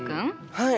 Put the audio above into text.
はい。